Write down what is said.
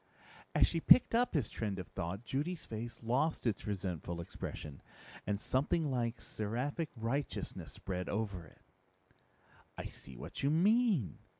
As she picked up his trend of thought, Judy's face lost its resentful expression, and something like seraphic righteousness spread over it. "I see what you mean.